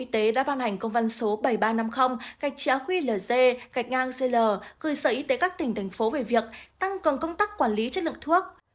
tổng thống bảy nghìn ba trăm năm mươi gạch trẻ huy l d gạch ngang c l gửi sở y tế các tỉnh thành phố về việc tăng cường công tác quản lý chất lượng thuốc